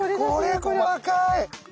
これ細かい！